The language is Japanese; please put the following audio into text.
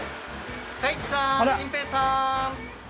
太一さん心平さん。